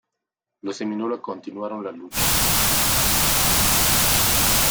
Los Seminola continuaron la lucha.